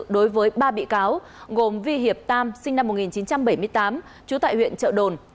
đối với ba bị cáo gồm vi hiệp tam sinh năm một nghìn chín trăm bảy mươi tám trú tại huyện trợ đồn